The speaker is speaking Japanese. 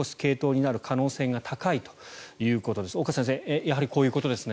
やはり、こういうことですね。